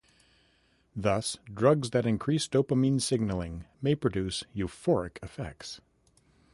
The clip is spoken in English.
Thus, drugs that increase dopamine signaling may produce euphoric effects.